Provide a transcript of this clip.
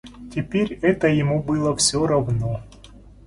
Теперь это ему было всё равно.